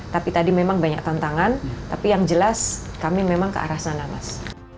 tapi tadi memang banyak tantangan tapi yang jelas kami memang ke arah sana mas